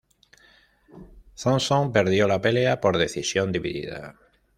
Thomson perdió la pelea por decisión dividida.